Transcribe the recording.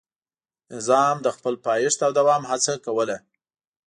نظام د خپل پایښت او دوام هڅه کوله.